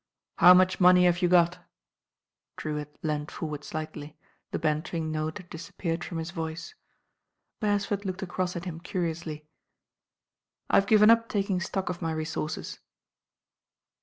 How much money have you got?" Drewitt leaned forward slightly, the bantering note had dis appeared from his voice. Beresford looked across at him curiously. 'I've given up taking stock of my resources.'